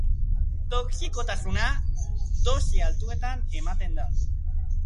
Toxikotasuna, dosi altuetan ematen da.